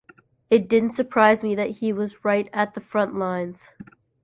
It didn't surprise me that he was right at the front lines.